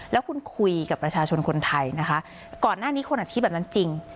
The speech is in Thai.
แล้วคุณคุยกับประชาชนคนไทยนะคะก่อนหน้านี้คุณอธิบายแบบนั้นจริง